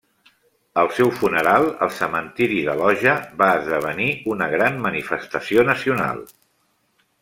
El seu funeral, al cementiri d'Aloja, va esdevenir una gran manifestació nacional.